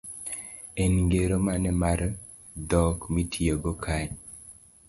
En ngero mane mar dhok mitiyogo kae?